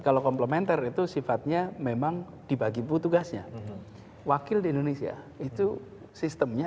kalau komplementer itu sifatnya memang dibagi bu tugasnya wakil di indonesia itu sistemnya